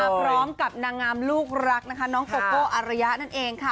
พร้อมกับนางงามลูกรักนะคะน้องโกโก้อารยะนั่นเองค่ะ